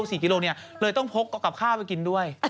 ๔กิโลเนี่ยเลยต้องพกกับข้าวไปกินด้วย